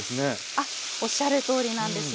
あっおっしゃるとおりなんです。